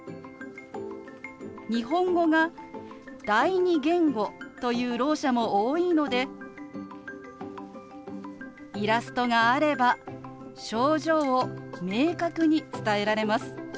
日本語が第二言語というろう者も多いのでイラストがあれば症状を明確に伝えられます。